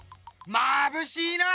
まぶしいな！